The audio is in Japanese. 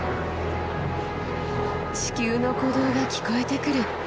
地球の鼓動が聞こえてくる。